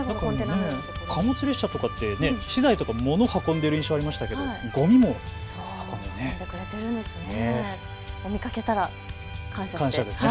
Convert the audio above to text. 貨物列車とかって資材とか物を運んでいる印象がありましたけれどもごみも運んでいるんですね。